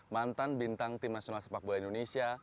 mantan bintang tim nasional sepak bola indonesia